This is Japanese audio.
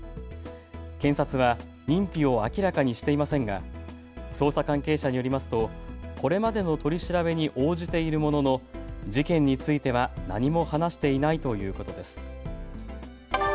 検察は認否を明らかにしていませんが捜査関係者によりますとこれまでの取り調べに応じているものの事件については何も話していないということです。